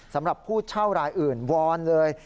อย่าไปอื่นวอนเลย